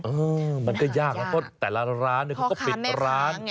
เออมันก็ยากนะครับแต่ละร้านเนี่ยเขาก็ปิดร้าน